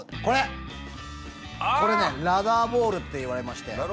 これこれねラダーボールっていわれまして。